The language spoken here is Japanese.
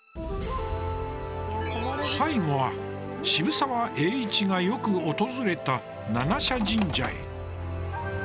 最後は、渋沢栄一がよく訪れた七社神社へ。